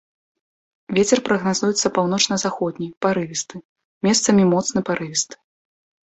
Вецер прагназуецца паўночна-заходні парывісты, месцамі моцны парывісты.